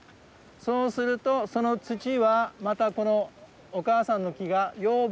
そうするとその土はまたこのお母さんの木が養分として使うわけだ。